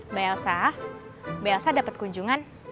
mbak elsa mbak elsa dapat kunjungan